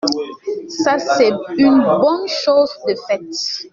Ça, c’est une bonne chose de faite.